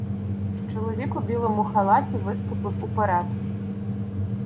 Чоловік у білому халаті виступив уперед.